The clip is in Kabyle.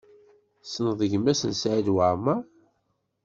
Tessneḍ gma-s n Saɛid Waɛmaṛ?